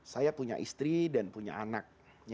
saya punya istri dan punya anak